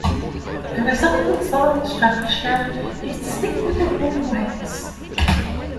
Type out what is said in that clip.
The resulting song structure is distinctive in many ways.